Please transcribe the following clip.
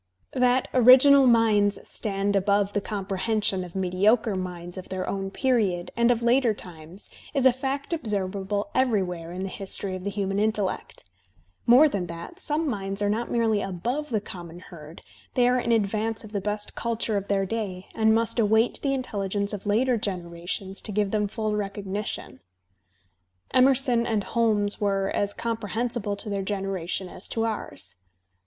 That original minds stand above the comprehension of mediocre minds of their own period and of later times is a fact observable everywhere in the history of the human •intellect. More than that, some mindS are not merely above the conmion herd; they are in advance of the best culture of their day and must await the inteUigence pf later genera tions to give them full recognition. Emerson and Holmes were as comprehensible to their generation as to ours.